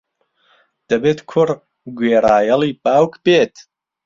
دەبێت کوڕ گوێڕایەڵی باوک بێت.